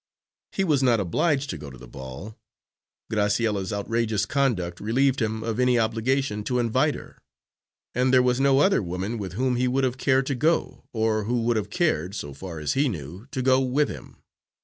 He was not obliged to go to the ball. Graciella's outrageous conduct relieved him of any obligation to invite her, and there was no other woman with whom he would have cared to go, or who would have cared, so far as he knew, to go with him.